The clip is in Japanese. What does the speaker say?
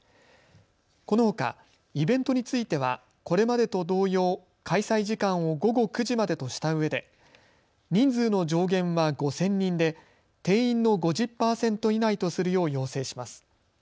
このほかイベントについてはこれまでと同様、開催時間を午後９時までとしたうえで人数の上限は５０００人で定員の５０％以内とするよう要請します。